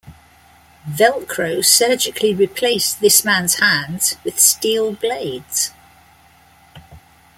Velcro surgically replaced this man's hands with steel blades.